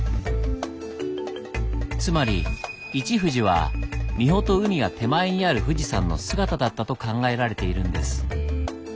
つまり「一富士」は三保と海が手前にある富士山の姿だったと考えられているんです。